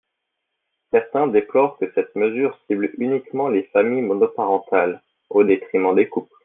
Certains déplorent que cette mesure cible uniquement les familles monoparentales, au détriment des couples.